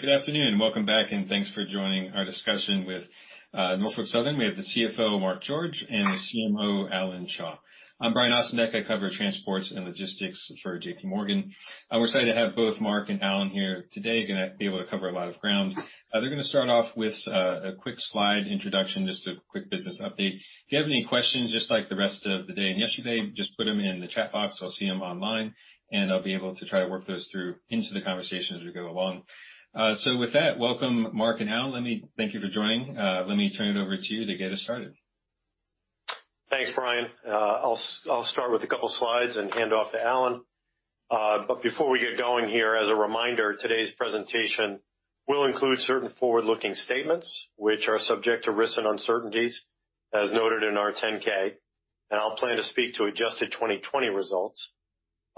Good afternoon. Welcome back, and thanks for joining our discussion with Norfolk Southern. We have the CFO, Mark George, and the CMO, Alan Shaw. I'm Brian Ossenbeck. I cover transports and logistics for J.P. Morgan. We're excited to have both Mark and Alan here today. They're going to be able to cover a lot of ground. They're going to start-off with a quick slide introduction, just a quick business update. If you have any questions, just like the rest of the day and yesterday, just put them in the chat box. I'll see them online, and I'll be able to try to work those through into the conversation as we go along. With that, welcome, Mark and Alan. Let me thank you for joining. Let me turn it over to you to get us started. Thanks, Brian. I'll start with a couple of slides and hand off to Alan. Before we get going here, as a reminder, today's presentation will include certain forward-looking statements, which are subject to risks and uncertainties, as noted in our 10-K. I'll plan to speak to adjusted 2020 results.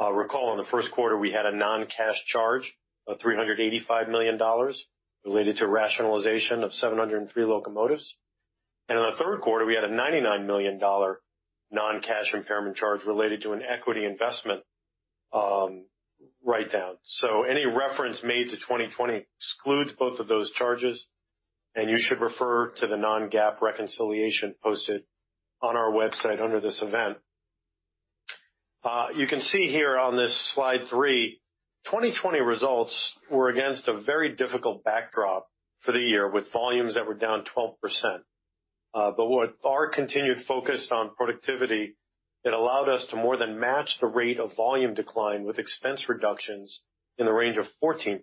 Recall, in the first quarter, we had a non-cash charge of $385 million related to rationalization of 703 locomotives. In the third quarter, we had a $99 million non-cash impairment charge related to an equity investment write-down. Any reference made to 2020 excludes both of those charges, and you should refer to the non-GAAP reconciliation posted on our website under this event. You can see here on this slide 3, 2020 results were against a very difficult backdrop for the year, with volumes that were down 12%. With our continued focus on productivity, it allowed us to more than match the rate of volume decline with expense reductions in the range of 14%.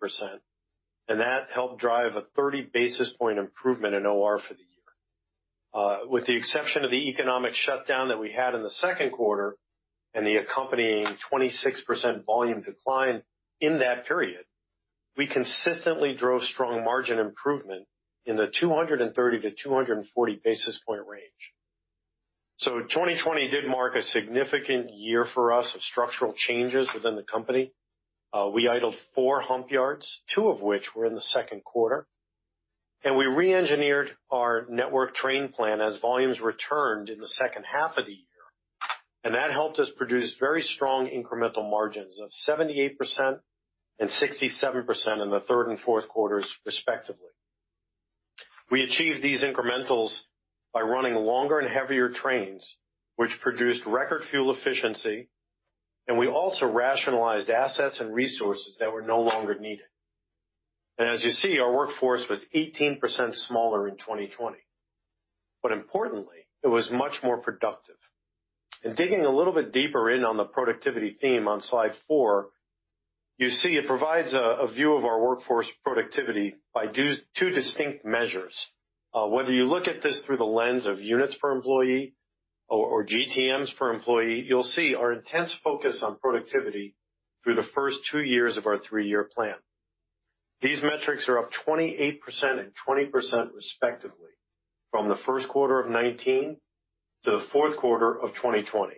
That helped drive a 30 basis point improvement in OR for the year. With the exception of the economic shutdown that we had in the second quarter and the accompanying 26% volume decline in that period, we consistently drove strong margin improvement in the 230-240 basis point range. 2020 did mark a significant year for us of structural changes within the company. We idled four hump yards, two of which were in the second quarter. We re-engineered our network train plan as volumes returned in the second half of the year. That helped us produce very strong incremental margins of 78% and 67% in the third and fourth quarters, respectively. We achieved these incrementals by running longer and heavier trains, which produced record fuel efficiency. We also rationalized assets and resources that were no longer needed. As you see, our workforce was 18% smaller in 2020. Importantly, it was much more productive. Digging a little bit deeper in on the productivity theme on slide 4, you see it provides a view of our workforce productivity by two distinct measures. Whether you look at this through the lens of units per employee or GTMs per employee, you'll see our intense focus on productivity through the first two-years of our three-year plan. These metrics are up 28% and 20%, respectively, from the first quarter of 2019 to the fourth quarter of 2020.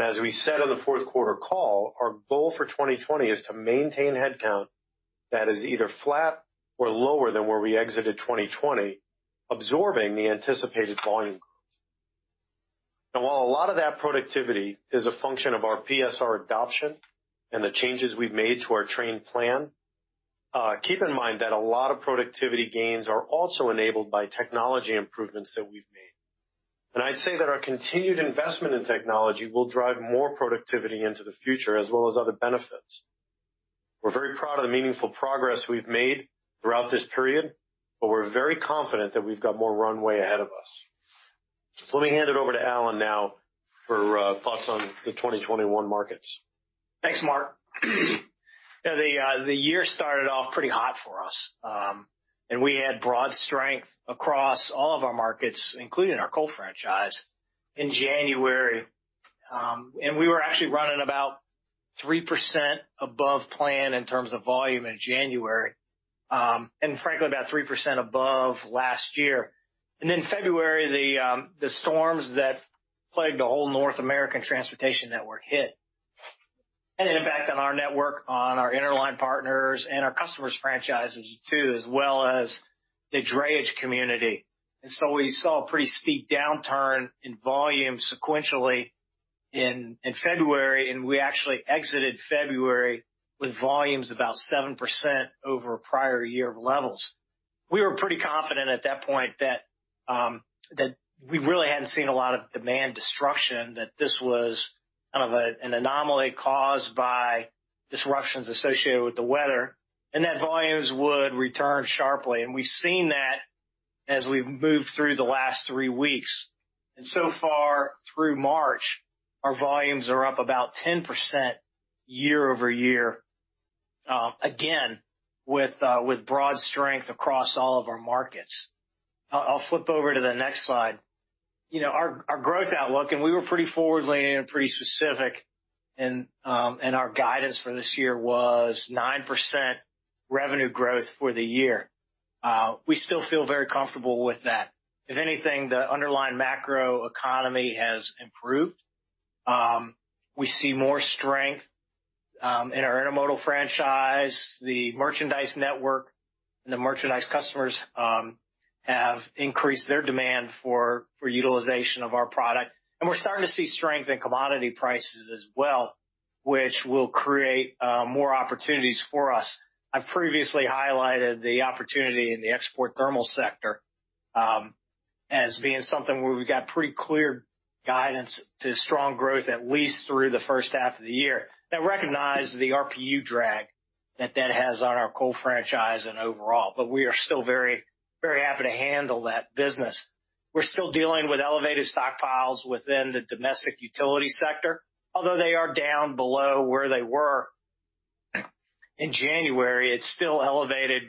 As we said on the fourth quarter call, our goal for 2020 is to maintain headcount that is either flat or lower than where we exited 2020, absorbing the anticipated volume growth. While a lot of that productivity is a function of our PSR adoption and the changes we've made to our train plan, keep in mind that a lot of productivity gains are also enabled by technology improvements that we've made. I'd say that our continued investment in technology will drive more productivity into the future, as well as other benefits. We're very proud of the meaningful progress we've made throughout this period. We're very confident that we've got more runway ahead of us. Let me hand it over to Alan now for thoughts on the 2021 markets. Thanks, Mark. Yeah, the year started off pretty hot for us. We had broad strength across all of our markets, including our coal franchise, in January. We were actually running about 3% above plan in terms of volume in January, and frankly, about 3% above last year. In February, the storms that plagued the whole North American transportation network hit, and impacted our network, our Interline Partners, and our customers' franchises, as well as the drayage community. We saw a pretty steep downturn in volume sequentially in February. We actually exited February with volumes about 7% over prior-year levels. We were pretty confident at that point that we really had not seen a lot of demand destruction, that this was kind of an anomaly caused by disruptions associated with the weather, and that volumes would return sharply. We have seen that as we have moved through the last three weeks. So far, through March, our volumes are up about 10% year-ove-year, again, with broad strength across all of our markets. I will flip over to the next slide. Our growth outlook, and we were pretty forward-looking and pretty specific, and our guidance for this year was 9% revenue growth for the year. We still feel very comfortable with that. If anything, the underlying macro economy has improved. We see more strength in our intermodal franchise. The merchandise network and the merchandise customers have increased their demand for utilization of our product. We are starting to see strength in commodity prices as well, which will create more opportunities for us. I've previously highlighted the opportunity in the export thermal sector as being something where we've got pretty clear guidance to strong growth, at least through the first half of the year. Now, recognize the RPU drag that that has on our coal franchise and overall. We are still very, very happy to handle that business. We're still dealing with elevated stockpiles within the domestic utility sector. Although they are down below where they were in January, it's still elevated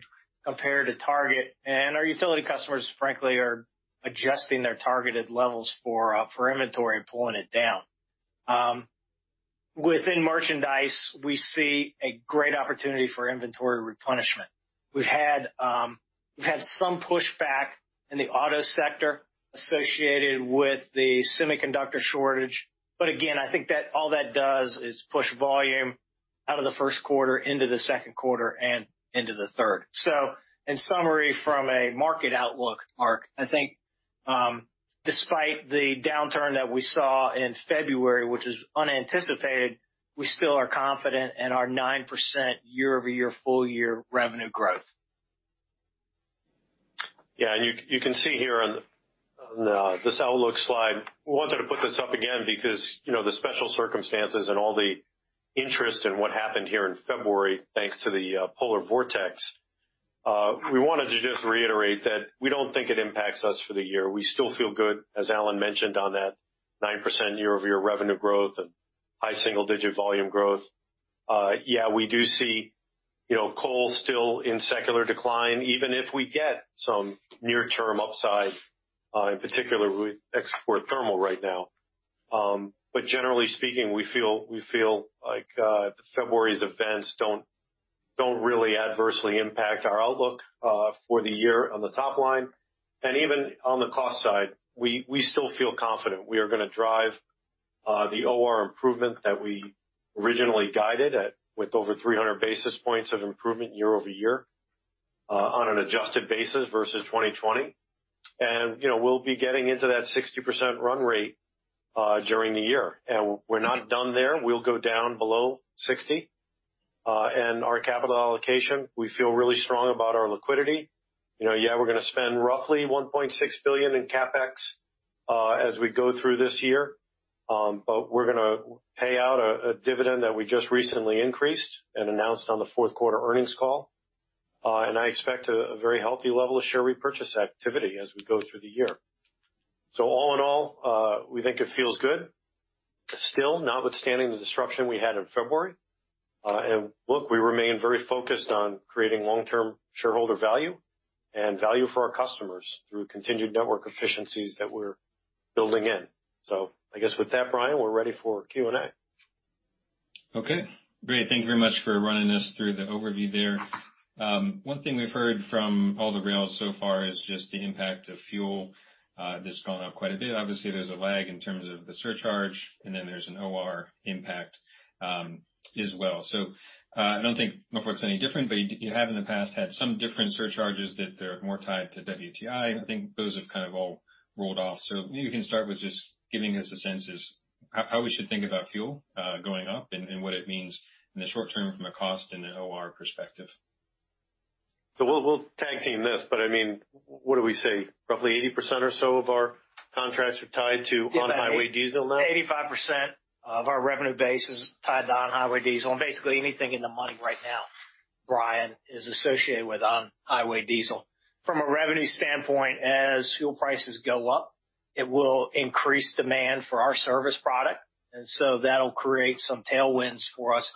compared to target. Our utility customers, frankly, are adjusting their targeted levels for inventory and pulling it down. Within merchandise, we see a great opportunity for inventory replenishment. We've had some pushback in the auto sector associated with the semiconductor shortage. I think that all that does is push volume out of the first quarter, into the second quarter, and into the third. In summary from a market outlook, Mark, I think despite the downturn that we saw in February, which was unanticipated, we still are confident in our 9% year-over-year, full-year revenue growth. Yeah. You can see here on this outlook slide, we wanted to put this up again because the special circumstances and all the interest in what happened here in February, thanks to the polar vortex, we wanted to just reiterate that we don't think it impacts us for the year. We still feel good, as Alan mentioned, on that 9% year-over-year revenue growth and high single-digit volume growth. Yeah, we do see coal still in secular decline, even if we get some near-term upside, in particular with export thermal right now. Generally speaking, we feel like February's events don't really adversely impact our outlook for the year on the top line. Even on the cost side, we still feel confident we are going to drive the OR improvement that we originally guided with over 300 basis points of improvement year over year on an adjusted basis versus 2020. We will be getting into that 60% run rate during the year. We are not done there. We will go down below 60. Our capital allocation, we feel really strong about our liquidity. We are going to spend roughly $1.6 billion in CapEx as we go through this year. We are going to pay out a dividend that we just recently increased and announced on the fourth quarter earnings call. I expect a very healthy level of share repurchase activity as we go through the year. All in all, we think it feels good, still notwithstanding the disruption we had in February. Look, we remain very focused on creating long-term shareholder value and value for our customers through continued network efficiencies that we're building in. I guess with that, Brian, we're ready for Q&A. Okay. Great. Thank you very much for running us through the overview there. One thing we've heard from all the rails so far is just the impact of fuel. This has gone up quite a bit. Obviously, there's a lag in terms of the surcharge, and then there's an OR impact as well. I don't think Norfolk's any different, but you have in the past had some different surcharges that are more tied to WTI. I think those have kind of all rolled off. Maybe you can start with just giving us a sense as to how we should think about fuel going up and what it means in the short term from a cost and an OR perspective. We'll tag team this. I mean, what do we say? Roughly 80% or so of our contracts are tied to on-highway diesel now? 85% of our revenue base is tied to on-highway diesel. Basically anything in the money right now, Brian, is associated with on-highway diesel. From a revenue standpoint, as fuel prices go up, it will increase demand for our service product. That will create some tailwinds for us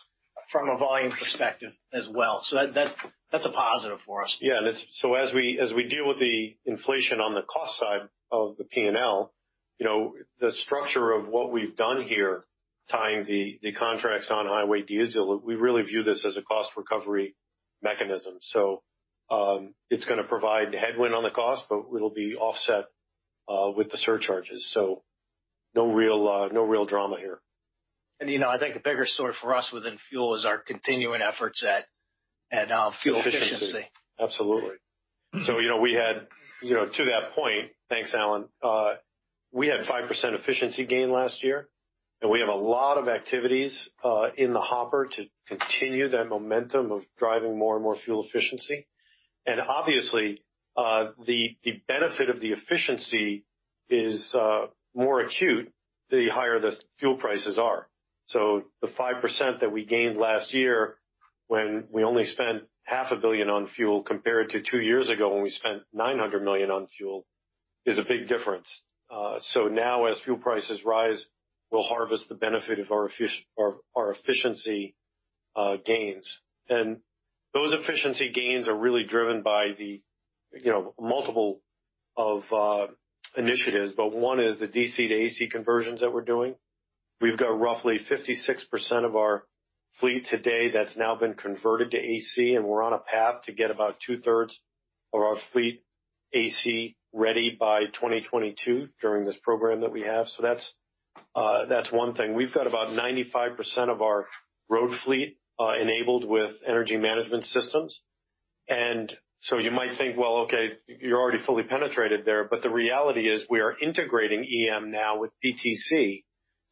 from a volume perspective as well. That's a positive for us. Yeah. As we deal with the inflation on the cost side of the P&L, the structure of what we've done here, tying the contracts on highway diesel, we really view this as a cost recovery mechanism. It's going to provide headwind on the cost, but it'll be offset with the surcharges. No real drama here. I think the bigger story for us within fuel is our continuing efforts at fuel efficiency. Absolutely. We had, to that point, thanks, Alan, we had 5% efficiency gain last year. We have a lot of activities in the hopper to continue that momentum of driving more and more fuel efficiency. Obviously, the benefit of the efficiency is more acute the higher the fuel prices are. The 5% that we gained last year when we only spent $500,000,000 on fuel compared to two years ago when we spent $900,000,000 on fuel is a big difference. Now, as fuel prices rise, we will harvest the benefit of our efficiency gains. Those efficiency gains are really driven by multiple initiatives. One is the DC to AC conversions that we are doing. We have roughly 56% of our fleet today that has now been converted to AC. We're on a path to get about two-thirds of our fleet AC ready by 2022 during this program that we have. That's one thing. We've got about 95% of our road fleet enabled with energy management systems. You might think, okay, you're already fully penetrated there. The reality is we are integrating EM now with PTC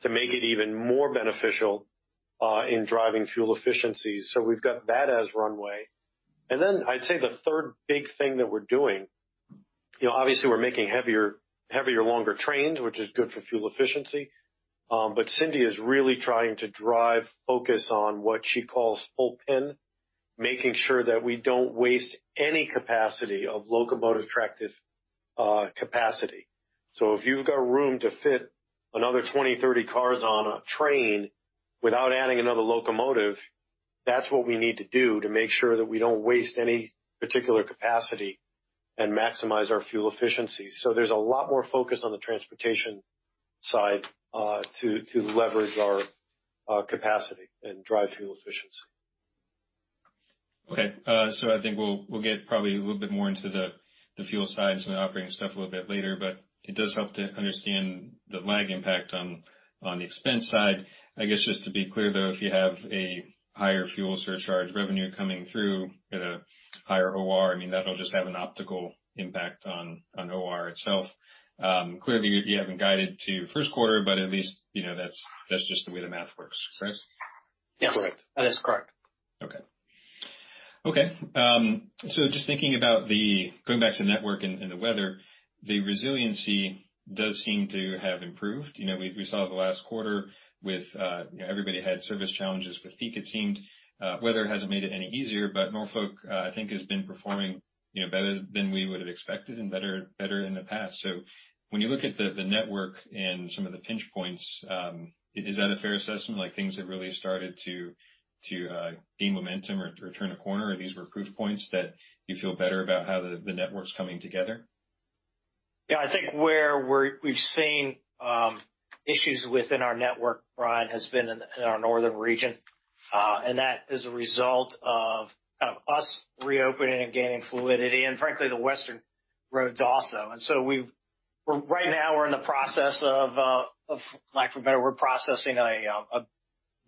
to make it even more beneficial in driving fuel efficiencies. We've got that as runway. I'd say the third big thing that we're doing, obviously, we're making heavier, longer trains, which is good for fuel efficiency. Cindy is really trying to drive focus on what she calls full pin, making sure that we don't waste any capacity of locomotive tractive capacity. If you've got room to fit another 20-30 cars on a train without adding another locomotive, that's what we need to do to make sure that we don't waste any particular capacity and maximize our fuel efficiency. There's a lot more focus on the transportation side to leverage our capacity and drive fuel efficiency. Okay. I think we'll get probably a little bit more into the fuel sides and operating stuff a little bit later. It does help to understand the lag impact on the expense side. I guess just to be clear, though, if you have a higher fuel surcharge revenue coming through at a higher OR, I mean, that'll just have an optical impact on OR itself. Clearly, you haven't guided to first quarter, but at least that's just the way the math works, correct? Yes, correct. That is correct. Okay. Okay. Just thinking about going back to network and the weather, the resiliency does seem to have improved. We saw the last quarter with everybody had service challenges with peak, it seemed. Weather hasn't made it any easier. Norfolk, I think, has been performing better than we would have expected and better in the past. When you look at the network and some of the pinch points, is that a fair assessment? Things have really started to gain momentum or turn a corner? Are these proof points that you feel better about how the network's coming together? Yeah. I think where we've seen issues within our network, Brian, has been in our northern region. That is a result of us reopening and gaining fluidity. Frankly, the western roads also. Right now, we're in the process of, lack of a better word, processing a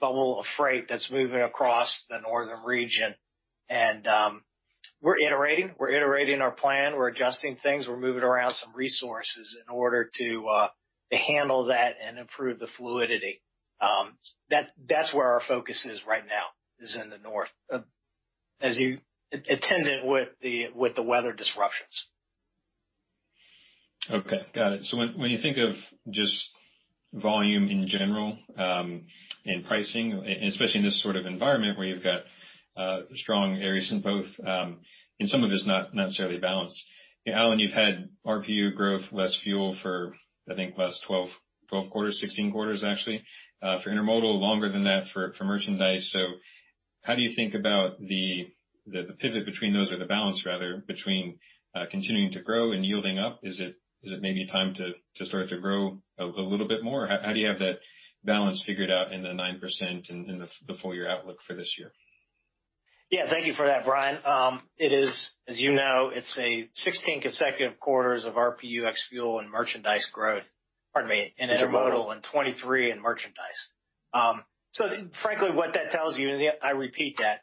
bubble of freight that's moving across the Northern Region. We're iterating. We're iterating our plan. We're adjusting things. We're moving around some resources in order to handle that and improve the fluidity. That's where our focus is right now, is in the north, as you attend it with the weather disruptions. Okay. Got it. When you think of just volume in general and pricing, and especially in this sort of environment where you've got strong areas in both, and some of it's not necessarily balanced. Alan, you've had RPU growth, less fuel for, I think, last 12 quarters, 16 quarters, actually, for intermodal, longer than that for merchandise. How do you think about the pivot between those or the balance, rather, between continuing to grow and yielding up? Is it maybe time to start to grow a little bit more? How do you have that balance figured out in the 9% and the full-year outlook for this year? Yeah. Thank you for that, Brian. It is, as you know, it's 16 consecutive quarters of RPU, ex-fuel, and merchandise growth, pardon me, in intermodal and 23 in merchandise. Frankly, what that tells you, and I repeat that,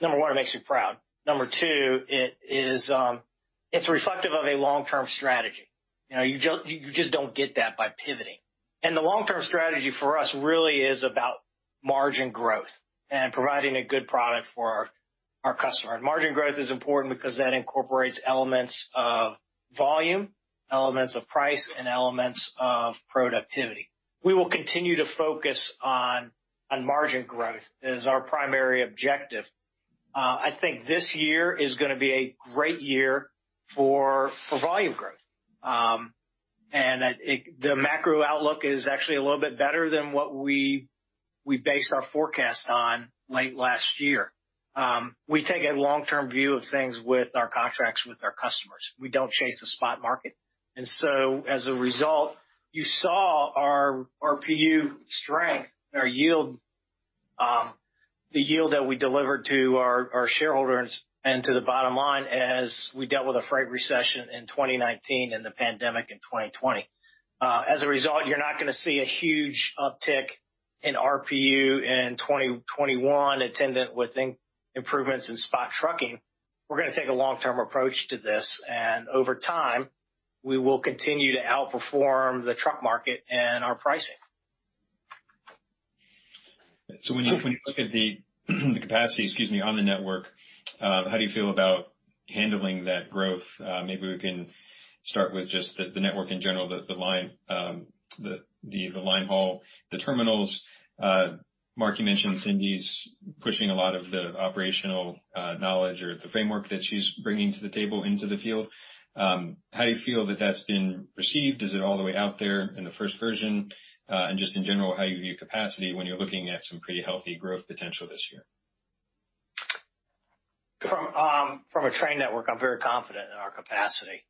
number one, it makes you proud. Number two, it's reflective of a long-term strategy. You just don't get that by pivoting. The long-term strategy for us really is about margin growth and providing a good product for our customer. Margin growth is important because that incorporates elements of volume, elements of price, and elements of productivity. We will continue to focus on margin growth as our primary objective. I think this year is going to be a great year for volume growth. The macro outlook is actually a little bit better than what we based our forecast on late last year. We take a long-term view of things with our contracts with our customers. We do not chase a spot market. As a result, you saw our RPU strength, the yield that we delivered to our shareholders and to the bottom line as we dealt with a freight recession in 2019 and the pandemic in 2020. As a result, you are not going to see a huge uptick in RPU in 2021, attendant with improvements in spot trucking. We are going to take a long-term approach to this. Over time, we will continue to outperform the truck market and our pricing. When you look at the capacity, excuse me, on the network, how do you feel about handling that growth? Maybe we can start with just the network in general, the line haul, the terminals. Mark, you mentioned Cindy's pushing a lot of the operational knowledge or the framework that she's bringing to the table into the field. How do you feel that that's been received? Is it all the way out there in the first version? In general, how do you view capacity when you're looking at some pretty healthy growth potential this year? From a train network, I'm very confident in our capacity.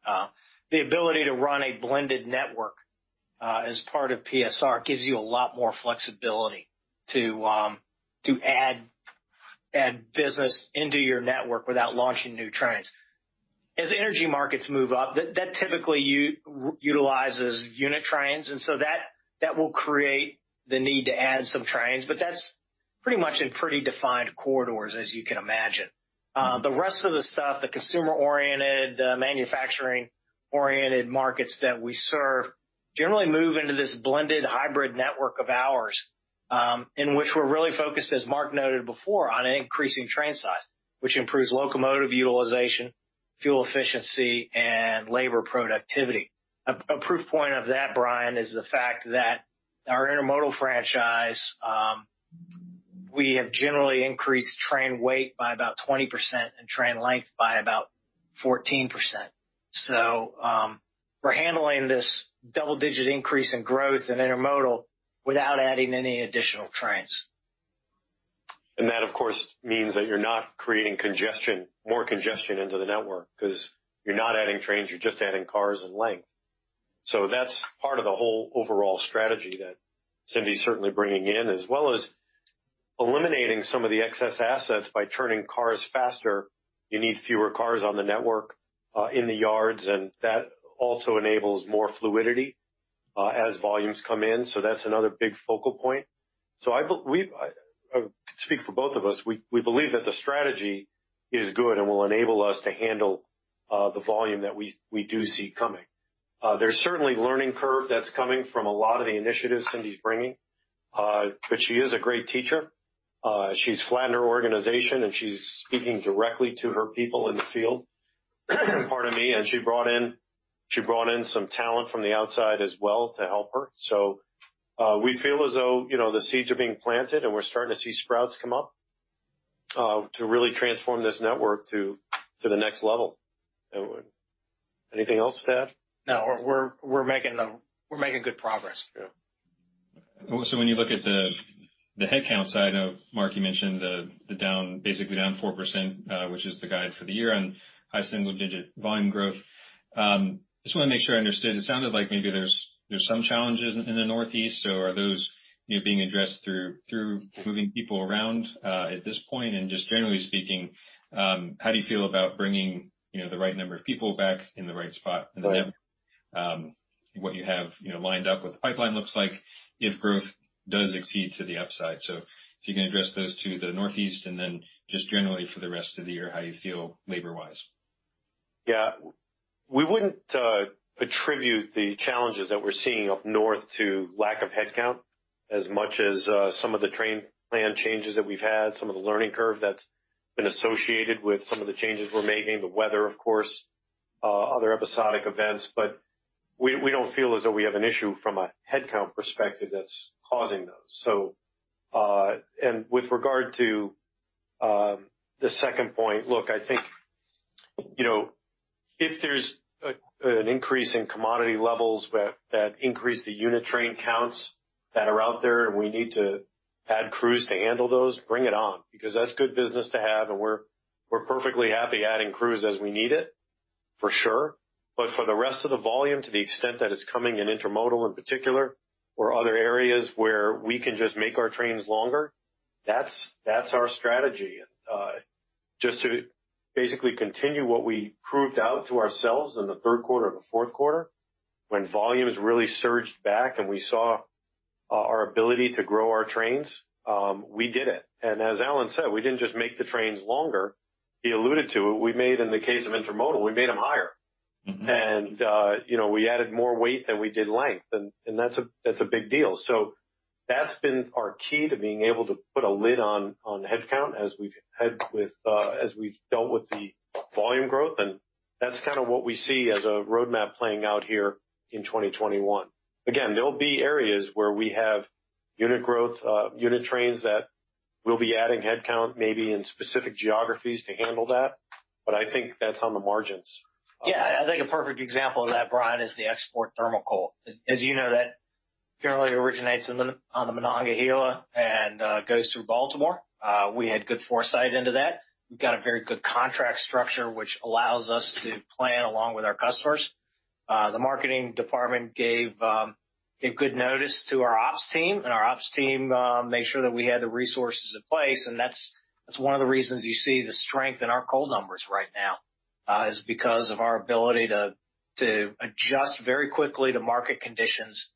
The ability to run a blended network as part of PSR gives you a lot more flexibility to add business into your network without launching new trains. As energy markets move up, that typically utilizes unit trains. That will create the need to add some trains. That is pretty much in pretty defined corridors, as you can imagine. The rest of the stuff, the consumer-oriented, the manufacturing-oriented markets that we serve, generally move into this blended hybrid network of ours in which we're really focused, as Mark noted before, on an increasing train size, which improves locomotive utilization, fuel efficiency, and labor productivity. A proof point of that, Brian, is the fact that our intermodal franchise, we have generally increased train weight by about 20% and train length by about 14%. We're handling this double-digit increase in growth in intermodal without adding any additional trains. That, of course, means that you're not creating more congestion into the network because you're not adding trains. You're just adding cars and length. That's part of the whole overall strategy that Cindy's certainly bringing in, as well as eliminating some of the excess assets by turning cars faster. You need fewer cars on the network in the yards. That also enables more fluidity as volumes come in. That's another big focal point. I could speak for both of us. We believe that the strategy is good and will enable us to handle the volume that we do see coming. There's certainly a learning curve that's coming from a lot of the initiatives Cindy's bringing. She is a great teacher. She's flattened her organization, and she's speaking directly to her people in the field, pardon me. She brought in some talent from the outside as well to help her. We feel as though the seeds are being planted, and we're starting to see sprouts come up to really transform this network to the next level. Anything else to add? No. We're making good progress. Yeah. When you look at the headcount side of Mark, you mentioned basically down 4%, which is the guide for the year on high single-digit volume growth. I just want to make sure I understood. It sounded like maybe there's some challenges in the northeast. Are those being addressed through moving people around at this point? Just generally speaking, how do you feel about bringing the right number of people back in the right spot in the network? What you have lined up, what the pipeline looks like if growth does exceed to the upside. If you can address those to the northeast, and then just generally for the rest of the year, how do you feel labor-wise? Yeah. We wouldn't attribute the challenges that we're seeing up north to lack of headcount as much as some of the train plan changes that we've had, some of the learning curve that's been associated with some of the changes we're making, the weather, of course, other episodic events. We don't feel as though we have an issue from a headcount perspective that's causing those. With regard to the second point, look, I think if there's an increase in commodity levels that increase the unit train counts that are out there and we need to add crews to handle those, bring it on. Because that's good business to have. We're perfectly happy adding crews as we need it, for sure. For the rest of the volume, to the extent that it's coming in intermodal in particular or other areas where we can just make our trains longer, that's our strategy. Just to basically continue what we proved out to ourselves in the third quarter of the fourth quarter when volumes really surged back and we saw our ability to grow our trains, we did it. As Alan said, we didn't just make the trains longer. He alluded to it. In the case of intermodal, we made them higher. We added more weight than we did length. That's a big deal. That's been our key to being able to put a lid on headcount as we've dealt with the volume growth. That's kind of what we see as a roadmap playing out here in 2021. Again, there'll be areas where we have unit trains that we'll be adding headcount maybe in specific geographies to handle that. I think that's on the margins. Yeah. I think a perfect example of that, Brian, is the export thermal coal. As you know, that generally originates on the Monongahela and goes through Baltimore. We had good foresight into that. We've got a very good contract structure which allows us to plan along with our customers. The marketing department gave good notice to our ops team. Our ops team made sure that we had the resources in place. That is one of the reasons you see the strength in our coal numbers right now is because of our ability to adjust very quickly to market conditions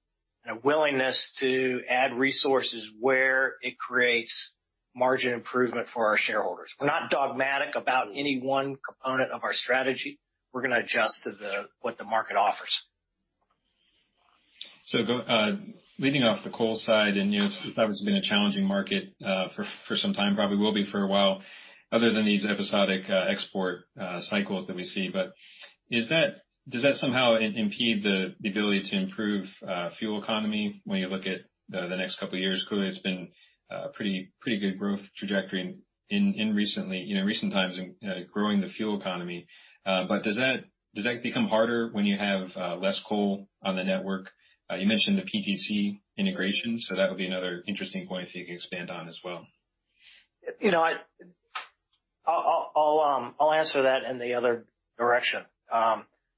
and a willingness to add resources where it creates margin improvement for our shareholders. We're not dogmatic about any one component of our strategy. We're going to adjust to what the market offers. Leading off the coal side, and you've said it's been a challenging market for some time, probably will be for a while other than these episodic export cycles that we see. Does that somehow impede the ability to improve fuel economy when you look at the next couple of years? Clearly, it's been a pretty good growth trajectory in recent times in growing the fuel economy. Does that become harder when you have less coal on the network? You mentioned the PTC integration. That would be another interesting point if you could expand on as well. I'll answer that in the other direction.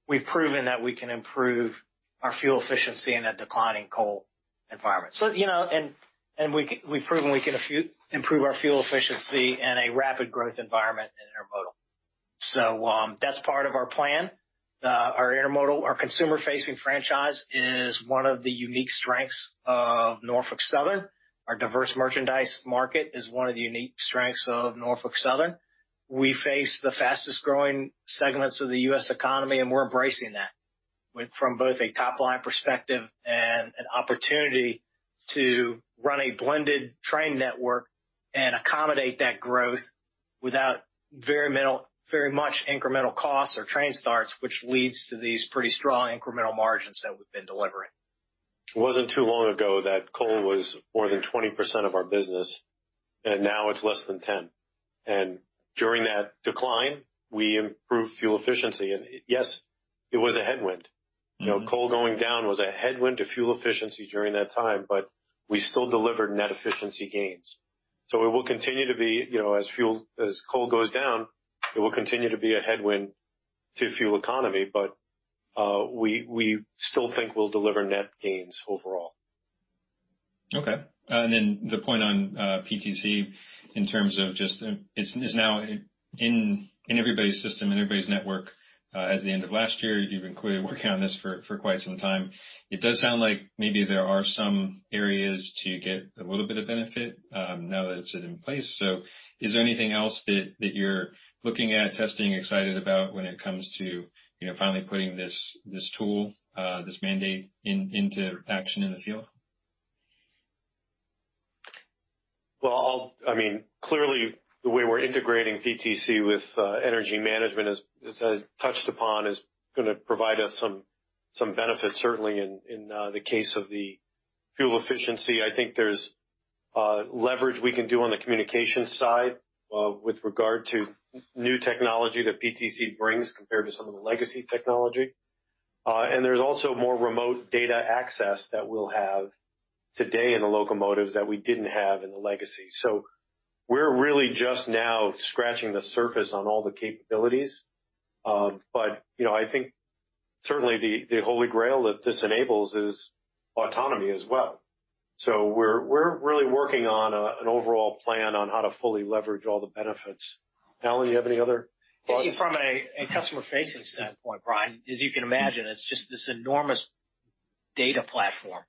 We've proven that we can improve our fuel efficiency in a declining coal environment. We've proven we can improve our fuel efficiency in a rapid growth environment in intermodal. That's part of our plan. Our consumer-facing franchise is one of the unique strengths of Norfolk Southern. Our diverse merchandise market is one of the unique strengths of Norfolk Southern. We face the fastest-growing segments of the US economy, and we're embracing that from both a top-line perspective and an opportunity to run a blended train network and accommodate that growth without very much incremental costs or train starts, which leads to these pretty strong incremental margins that we've been delivering. It was not too long ago that coal was more than 20% of our business. Now it is less than 10%. During that decline, we improved fuel efficiency. Yes, it was a headwind. Coal going down was a headwind to fuel efficiency during that time, but we still delivered net efficiency gains. It will continue to be, as coal goes down, it will continue to be a headwind to fuel economy. We still think we will deliver net gains overall. Okay. The point on PTC in terms of just it's now in everybody's system, in everybody's network as the end of last year. You've been clearly working on this for quite some time. It does sound like maybe there are some areas to get a little bit of benefit now that it's in place. Is there anything else that you're looking at, testing, excited about when it comes to finally putting this tool, this mandate into action in the field? I mean, clearly, the way we're integrating PTC with energy management, as I touched upon, is going to provide us some benefit, certainly in the case of the fuel efficiency. I think there's leverage we can do on the communication side with regard to new technology that PTC brings compared to some of the legacy technology. There's also more remote data access that we'll have today in the locomotives that we didn't have in the legacy. We're really just now scratching the surface on all the capabilities. I think certainly the holy grail that this enables is autonomy as well. We're really working on an overall plan on how to fully leverage all the benefits. Alan, do you have any other thoughts? From a customer-facing standpoint, Brian, as you can imagine, it's just this enormous data platform.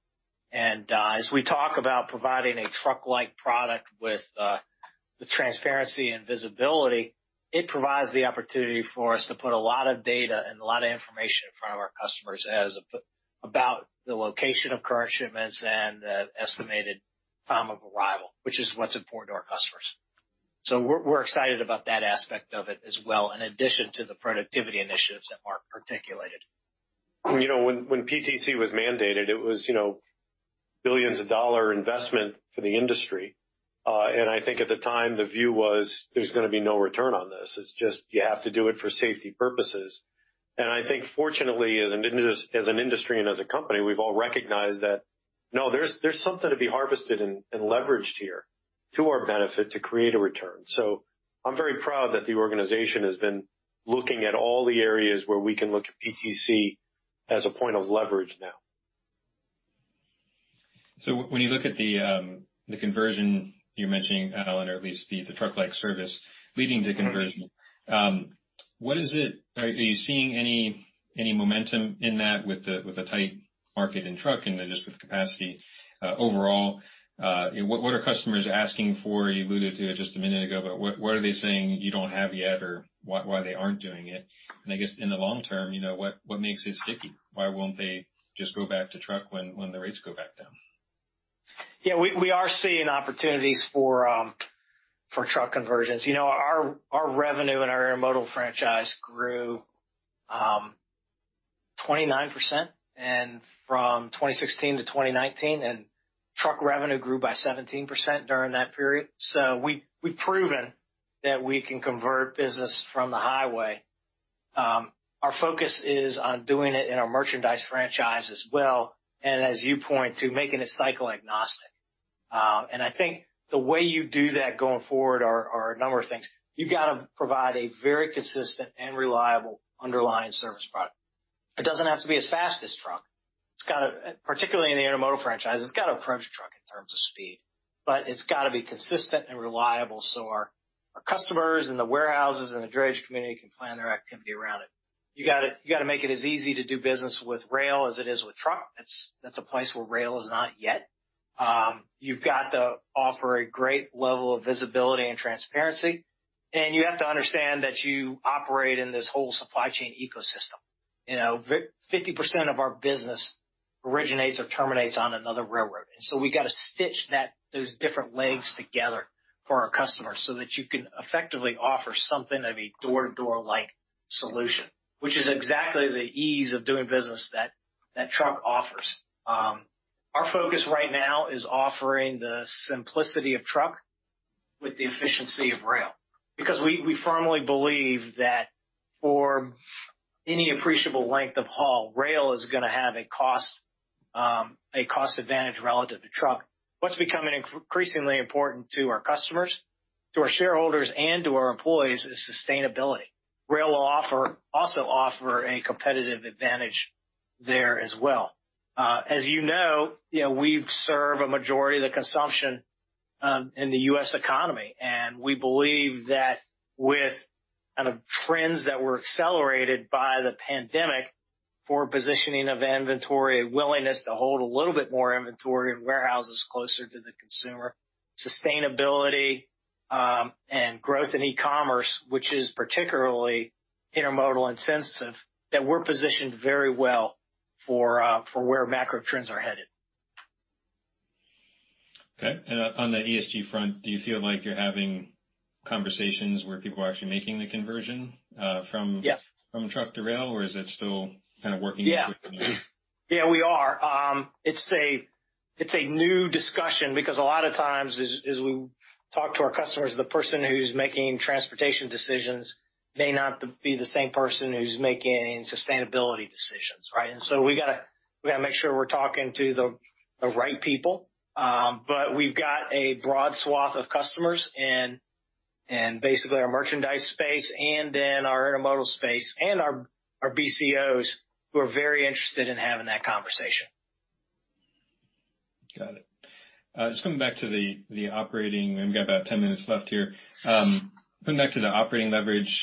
As we talk about providing a truck-like product with the transparency and visibility, it provides the opportunity for us to put a lot of data and a lot of information in front of our customers about the location of current shipments and the estimated time of arrival, which is what's important to our customers. We are excited about that aspect of it as well, in addition to the productivity initiatives that Mark articulated. When PTC was mandated, it was a billions of dollar investment for the industry. I think at the time, the view was there's going to be no return on this. It's just you have to do it for safety purposes. I think, fortunately, as an industry and as a company, we've all recognized that, no, there's something to be harvested and leveraged here to our benefit to create a return. I'm very proud that the organization has been looking at all the areas where we can look at PTC as a point of leverage now. When you look at the conversion you're mentioning, Alan, or at least the truck-like service leading to conversion, what is it? Are you seeing any momentum in that with a tight market in truck and just with capacity overall? What are customers asking for? You alluded to it just a minute ago, but what are they saying you don't have yet or why they aren't doing it? I guess in the long term, what makes it sticky? Why won't they just go back to truck when the rates go back down? Yeah. We are seeing opportunities for truck conversions. Our revenue in our intermodal franchise grew 29% from 2016 to 2019. Truck revenue grew by 17% during that period. We have proven that we can convert business from the highway. Our focus is on doing it in our merchandise franchise as well. As you point to, making it cycle-agnostic. I think the way you do that going forward are a number of things. You have to provide a very consistent and reliable underlying service product. It does not have to be as fast as truck. Particularly in the intermodal franchise, it has to approach truck in terms of speed. It has to be consistent and reliable so our customers and the warehouses and the drayage community can plan their activity around it. You've got to make it as easy to do business with rail as it is with truck. That's a place where rail is not yet. You've got to offer a great level of visibility and transparency. You have to understand that you operate in this whole supply chain ecosystem. 50% of our business originates or terminates on another railroad. We've got to stitch those different legs together for our customers so that you can effectively offer something of a door-to-door-like solution, which is exactly the ease of doing business that truck offers. Our focus right now is offering the simplicity of truck with the efficiency of rail. Because we firmly believe that for any appreciable length of haul, rail is going to have a cost advantage relative to truck. What's becoming increasingly important to our customers, to our shareholders, and to our employees is sustainability. Rail will also offer a competitive advantage there as well. As you know, we serve a majority of the consumption in the U.S. economy. We believe that with kind of trends that were accelerated by the pandemic for positioning of inventory, a willingness to hold a little bit more inventory in warehouses closer to the consumer, sustainability, and growth in e-commerce, which is particularly intermodal intensive, that we're positioned very well for where macro trends are headed. Okay. On the ESG front, do you feel like you're having conversations where people are actually making the conversion from truck to rail? Or is it still kind of working? Yeah. Yeah, we are. It's a new discussion because a lot of times, as we talk to our customers, the person who's making transportation decisions may not be the same person who's making sustainability decisions, right? We've got to make sure we're talking to the right people. We've got a broad swath of customers in basically our merchandise space and in our intermodal space and our BCOs who are very interested in having that conversation. Got it. Just coming back to the operating—we've got about 10 minutes left here. Coming back to the operating leverage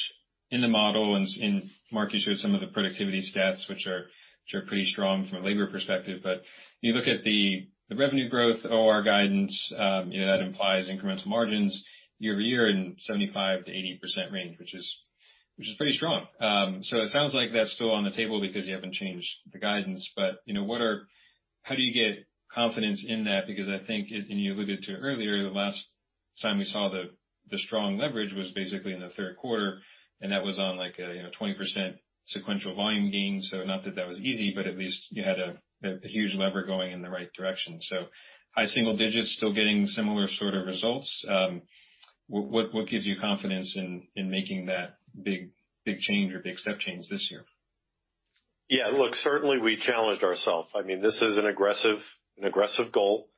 in the model, and Mark has shared some of the productivity stats, which are pretty strong from a labor perspective. You look at the revenue growth, OR guidance, that implies incremental margins year-over-year in the 75%-80% range, which is pretty strong. It sounds like that's still on the table because you haven't changed the guidance. How do you get confidence in that? I think, and you alluded to it earlier, the last time we saw the strong leverage was basically in the third quarter. That was on like a 20% sequential volume gain. Not that that was easy, but at least you had a huge lever going in the right direction. High single digits, still getting similar sort of results. What gives you confidence in making that big change or big step change this year? Yeah. Look, certainly we challenged ourself. I mean, this is an aggressive goal.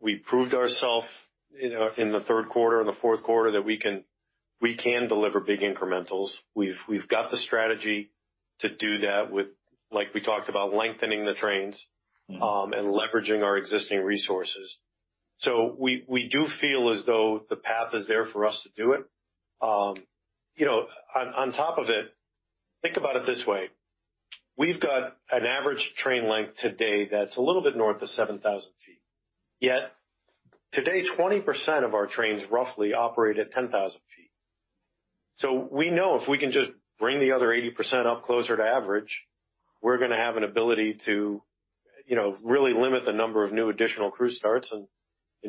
We proved ourself in the third quarter and the fourth quarter that we can deliver big incrementals. We have got the strategy to do that with, like we talked about, lengthening the trains and leveraging our existing resources. We do feel as though the path is there for us to do it. On top of it, think about it this way. We have got an average train length today that is a little bit north of 7,000 ft. Yet today, 20% of our trains roughly operate at 10,000 ft. We know if we can just bring the other 80% up closer to average, we are going to have an ability to really limit the number of new additional crew starts and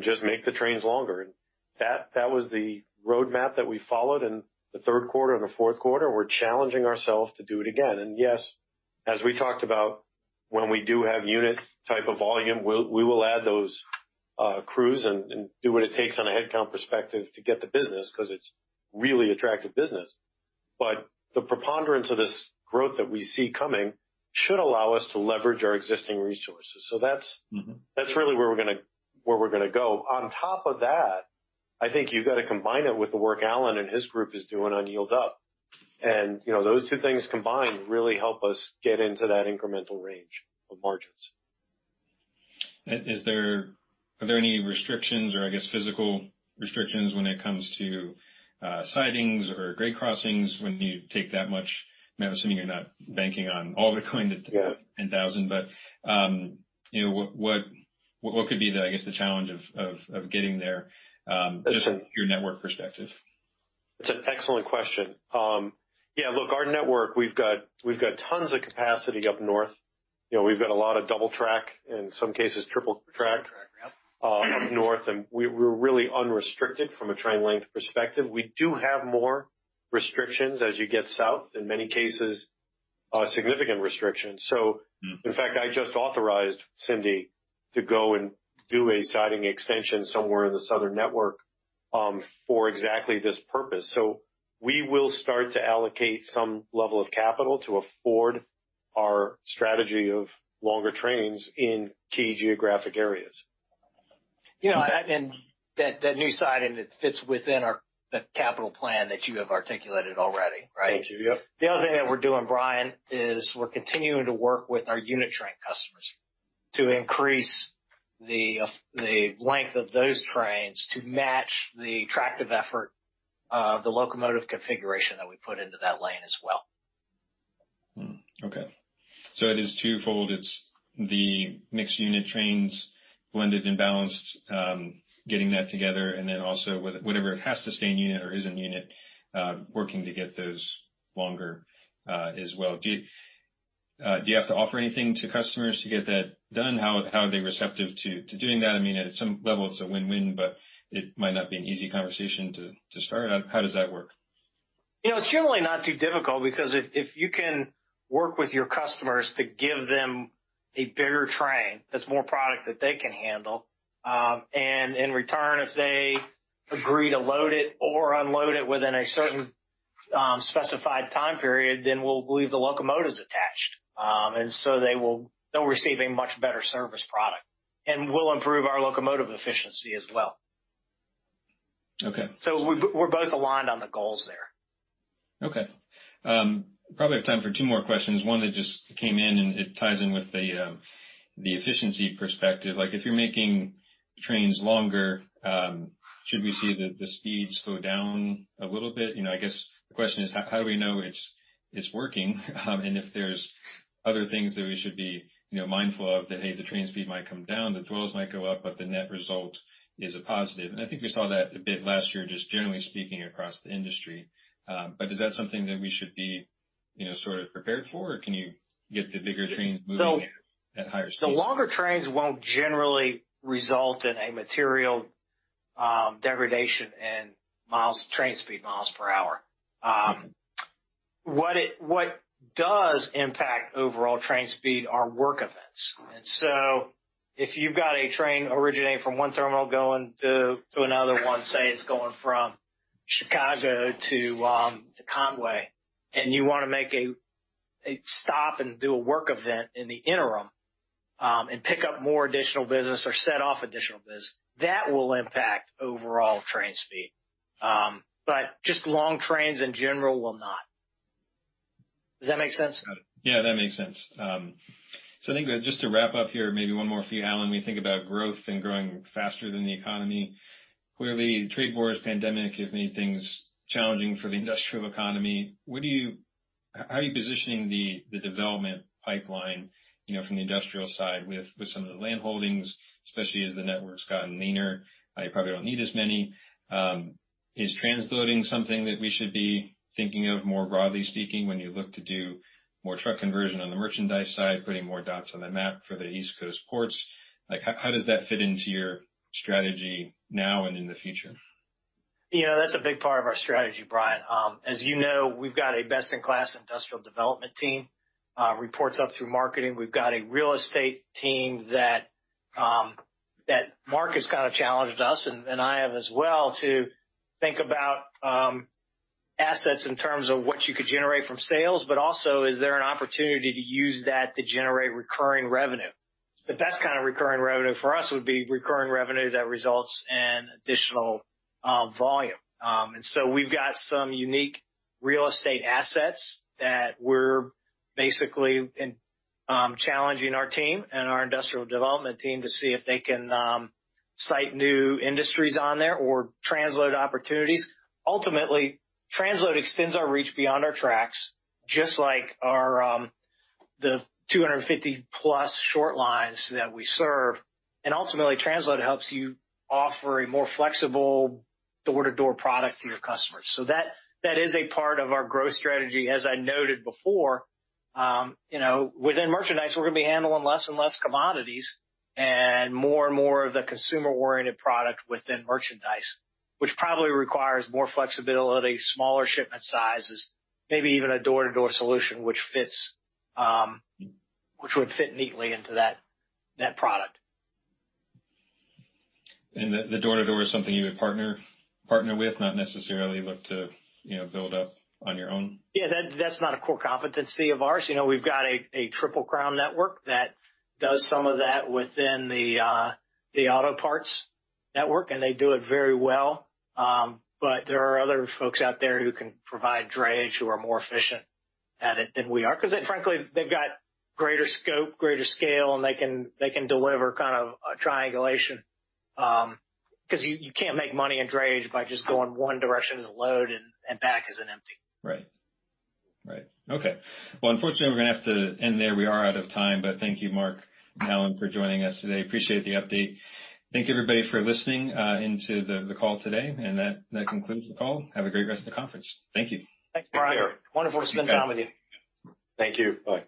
just make the trains longer. That was the roadmap that we followed in the third quarter and the fourth quarter. We're challenging ourselves to do it again. Yes, as we talked about, when we do have unit type of volume, we will add those crews and do what it takes on a headcount perspective to get the business because it's really attractive business. The preponderance of this growth that we see coming should allow us to leverage our existing resources. That's really where we're going to go. On top of that, I think you've got to combine it with the work Alan and his group is doing on Yield Up. Those two things combined really help us get into that incremental range of margins. Are there any restrictions or, I guess, physical restrictions when it comes to sidings or grade crossings when you take that much? I'm assuming you're not banking on all the coin to 10,000. What could be, I guess, the challenge of getting there just from your network perspective? That's an excellent question. Yeah. Look, our network, we've got tons of capacity up north. We've got a lot of double track, in some cases, triple track up north. We're really unrestricted from a train length perspective. We do have more restrictions as you get south, in many cases, significant restrictions. In fact, I just authorized Cindy to go and do a siding extension somewhere in the southern network for exactly this purpose. We will start to allocate some level of capital to afford our strategy of longer trains in key geographic areas. That new siding, it fits within the capital plan that you have articulated already, right? Thank you. Yes. The other thing that we're doing, Brian, is we're continuing to work with our unit train customers to increase the length of those trains to match the tractive effort of the locomotive configuration that we put into that lane as well. Okay. It is twofold. It's the mixed unit trains, blended and balanced, getting that together. And then also whatever has to stay in unit or is in unit, working to get those longer as well. Do you have to offer anything to customers to get that done? How are they receptive to doing that? I mean, at some level, it's a win-win, but it might not be an easy conversation to start. How does that work? It's generally not too difficult because if you can work with your customers to give them a bigger train, that's more product that they can handle. In return, if they agree to load it or unload it within a certain specified time period, we'll leave the locomotives attached. They'll receive a much better service product. We'll improve our locomotive efficiency as well. We're both aligned on the goals there. Okay. Probably have time for two more questions. One that just came in, and it ties in with the efficiency perspective. If you're making trains longer, should we see the speed slow down a little bit? I guess the question is, how do we know it's working? If there's other things that we should be mindful of that, hey, the train speed might come down, the dwells might go up, but the net result is a positive. I think we saw that a bit last year, just generally speaking across the industry. Is that something that we should be sort of prepared for? Can you get the bigger trains moving at higher speeds? The longer trains won't generally result in a material degradation in train speed, miles per hour. What does impact overall train speed are work events. If you've got a train originating from one terminal going to another one, say it's going from Chicago to Conway, and you want to make a stop and do a work event in the interim and pick up more additional business or set off additional business, that will impact overall train speed. Just long trains in general will not. Does that make sense? Got it. Yeah, that makes sense. I think just to wrap up here, maybe one more for you, Alan. We think about growth and growing faster than the economy. Clearly, the trade wars, pandemic have made things challenging for the industrial economy. How are you positioning the development pipeline from the industrial side with some of the land holdings, especially as the network's gotten leaner? You probably don't need as many. Is transloading something that we should be thinking of more broadly speaking when you look to do more truck conversion on the merchandise side, putting more dots on the map for the East Coast ports? How does that fit into your strategy now and in the future? That's a big part of our strategy, Brian. As you know, we've got a best-in-class industrial development team. Reports up through marketing. We've got a real estate team that Mark has kind of challenged us, and I have as well, to think about assets in terms of what you could generate from sales, but also, is there an opportunity to use that to generate recurring revenue? The best kind of recurring revenue for us would be recurring revenue that results in additional volume. We've got some unique real estate assets that we're basically challenging our team and our industrial development team to see if they can cite new industries on there or transload opportunities. Ultimately, transload extends our reach beyond our tracks, just like the 250-plus short lines that we serve. Ultimately, transload helps you offer a more flexible door-to-door product to your customers. That is a part of our growth strategy. As I noted before, within merchandise, we're going to be handling less and less commodities and more and more of the consumer-oriented product within merchandise, which probably requires more flexibility, smaller shipment sizes, maybe even a door-to-door solution, which would fit neatly into that product. The door-to-door is something you would partner with, not necessarily look to build up on your own? Yeah. That's not a core competency of ours. We've got a Triple Crown Network that does some of that within the auto parts network. And they do it very well. There are other folks out there who can provide drayage who are more efficient at it than we are. Because frankly, they've got greater scope, greater scale, and they can deliver kind of triangulation. Because you can't make money in drayage by just going one direction as a load and back as an empty. Right. Right. Okay. Unfortunately, we're going to have to end there. We are out of time. Thank you, Mark and Alan, for joining us today. Appreciate the update. Thank you, everybody, for listening into the call today. That concludes the call. Have a great rest of the conference. Thank you. Thanks, Brian. Wonderful to spend time with you. Thank you. Bye.